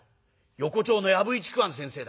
横町の藪井竹庵先生だ。